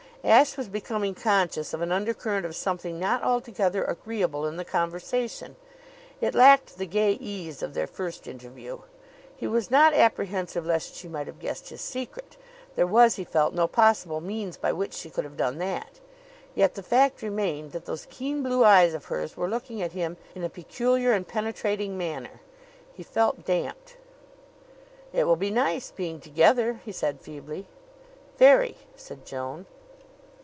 Ashe was becoming conscious of an undercurrent of something not altogether agreeable in the conversation. It lacked the gay ease of their first interview. He was not apprehensive lest she might have guessed his secret. There was, he felt, no possible means by which she could have done that. Yet the fact remained that those keen blue eyes of hers were looking at him in a peculiar and penetrating manner. He felt damped. "It will be nice, being together," he said feebly. "Very!" said Joan.